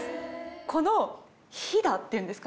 このヒダっていうんですか？